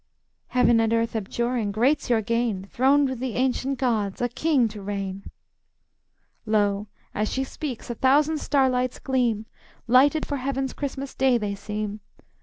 "Heaven and earth abjuring, great's your gain, Throned with the ancient gods, a king to reign!" Lo, as she speaks, a thousand starlights gleam, Lighted for Heaven's Christmas day they seem.